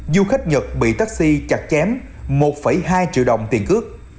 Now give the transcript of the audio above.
du khách nhật bị taxi chặt chém một hai triệu đồng tiền cước